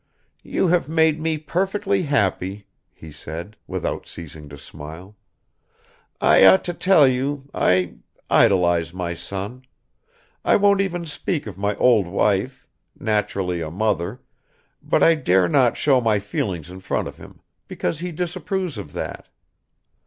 "You have made me perfectly happy," he said, without ceasing to smile. "I ought to tell you, I ... idolize my son; I won't even speak of my old wife naturally, a mother but I dare not show my feelings in front of him, because he disapproves of that.